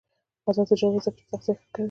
آزاد تجارت مهم دی ځکه چې تغذیه ښه کوي.